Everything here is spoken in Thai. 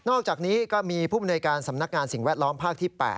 อกจากนี้ก็มีผู้มนวยการสำนักงานสิ่งแวดล้อมภาคที่๘